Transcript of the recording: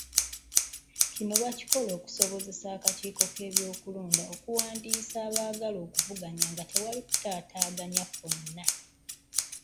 Kino bakikola okusobozesa akakiiko k'ebyokulonda okuwandiisa abaagala okuvuganya nga tewali kutaataagana kwonna.